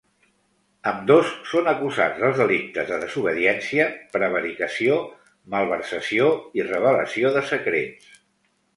Ambdós són acusats dels delictes de desobediència, prevaricació, malversació i revelació de secrets.